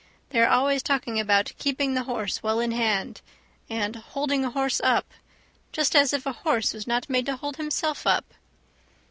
They are always talking about "keeping the horse well in hand", and "holding a horse up", just as if a horse was not made to hold himself up.